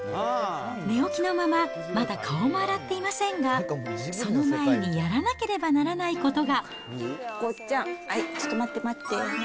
寝起きのまま、まだ顔も洗っていませんが、その前にやらなければならないことがちょっと、待って待って。